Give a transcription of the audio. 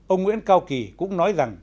ông nguyễn cao kỳ cũng nói rằng